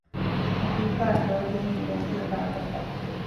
އަފީފާ ދޯ ދިނީ ރުންކުރު ރާގަކަށް